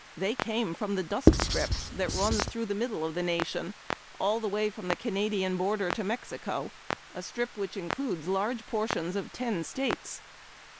They came from the dust strip that runs through the middle of the nation all the way from the Canadian border to Mexico, a strip which includes large portions of ten states.